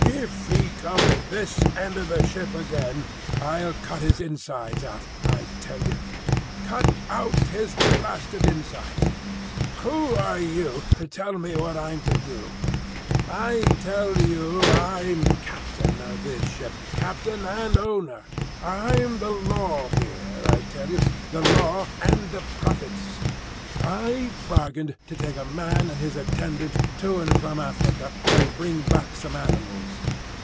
"If he comes this end of the ship again I'll cut his insides out, I tell you. Cut out his blasted insides! Who are you, to tell me what I'm to do? I tell you I'm captain of this ship,—captain and owner. I'm the law here, I tell you,—the law and the prophets. I bargained to take a man and his attendant to and from Arica, and bring back some animals.